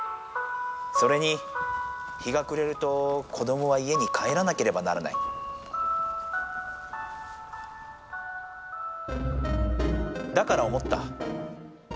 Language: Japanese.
それに日がくれると子どもは家に帰らなければならないだから思った。